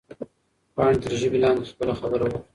پاڼې تر ژبه لاندې خپله خبره وکړه.